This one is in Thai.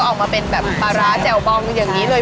ออกมาเป็นแบบปลาร้าแจ่วบองอย่างนี้เลย